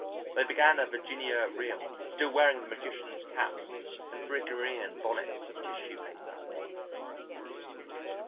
They began a Virginia Reel still wearing the magician's caps and Phrygian bonnets of tissue paper.